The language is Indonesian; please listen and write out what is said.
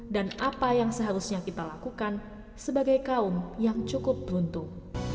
dan apa yang seharusnya kita lakukan sebagai kaum yang cukup beruntung